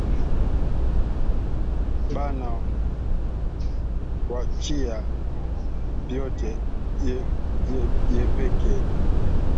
Bana mwachiya byote yepeke